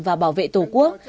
và bảo vệ tổ quốc